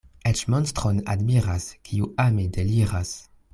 Eĉ monstron admiras, kiu ame deliras.